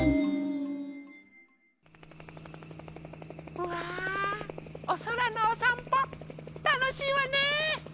うわおそらのおさんぽたのしいわね。